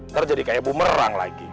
ntar jadi kayak bumerang lagi